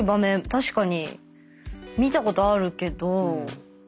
確かに見たことあるけど。